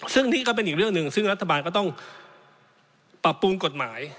ซึ่งนี่ก็เป็นอีกเรื่องหนึ่งซึ่งรัฐบาลก็ต้องปรับปรุงกฎหมาย